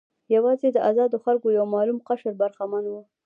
یوازې د آزادو خلکو یو معلوم قشر برخمن و.